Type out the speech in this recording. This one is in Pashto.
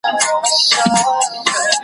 ورته پاته په میراث وو له نیکونو .